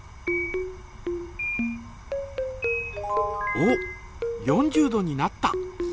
おっ４０度になった。